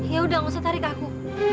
yaudah gak usah tarik aku